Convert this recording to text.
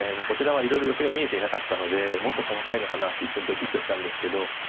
こちらはいろいろヨセが見えていなかったのでもっと細かいのかなって一瞬ドキッとしたんですけど。